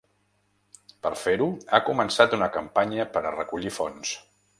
Per fer-ho, ha començat una campanya per a recollir fons.